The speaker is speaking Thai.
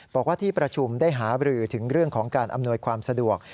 บอกว่าที่ประชุมได้หาบรือถึงเรื่องของการอำนวยความสะดวก